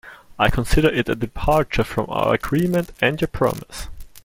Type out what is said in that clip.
I consider it a departure from our agreement and your promise.